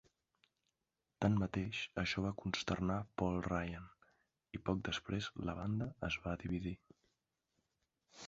Tanmateix, això va consternar Paul Ryan, i poc després la banda es va dividir.